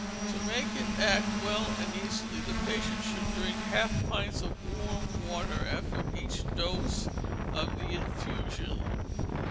To make it act well and easily, the patient should drink half pints of warm water after each dose of the infusion.